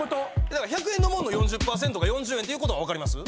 １００円の物４０％が４０円っていうことは分かります？